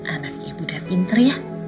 anak ibu udah pintar ya